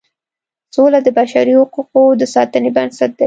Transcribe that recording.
سوله د بشري حقوقو د ساتنې بنسټ دی.